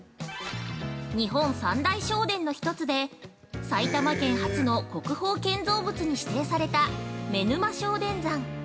◆日本三大聖天の一つで埼玉県初の国宝建造物に指定された妻沼聖天山。